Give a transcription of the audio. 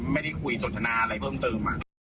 ไม่ได้คุยสนทนาอะไรเพิ่มเติม